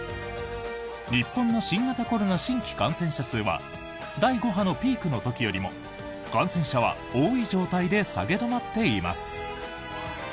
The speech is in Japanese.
日本の新型コロナ新規感染者数は第５波のピークの時よりも感染者は多い状態で下げ止まっています。